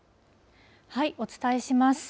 お伝えします。